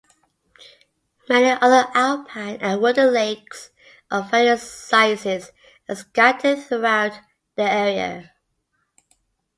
Many other alpine and wooded lakes of various sizes are scattered throughout the area.